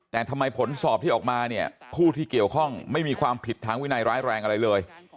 แต่ทำไมผลสอบที่ออกมาเนี่ยผู้ที่เกี่ยวข้องไม่มีความผิดทางวินัยร้ายแรงอะไรเลย